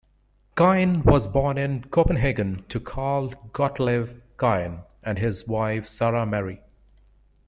Kyhn was born in Copenhagen to Carl Gottlieb Kyhn and his wife Sara Marie.